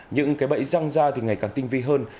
những cái bẫy răng ra thì ngày càng tinh vi hơn